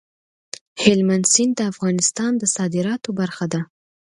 هلمند سیند د افغانستان د صادراتو برخه ده.